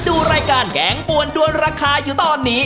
ดูรายการแกงปวนด้วนราคาอยู่ตอนนี้